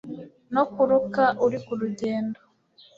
no kuruka uri ku rugendo